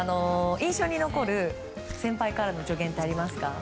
印象に残る先輩からの助言ってありますか？